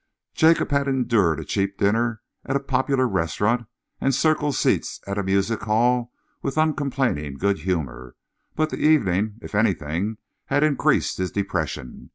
Jacob had endured a cheap dinner at a popular restaurant and circle seats at a music hall with uncomplaining good humour, but the evening, if anything, had increased his depression.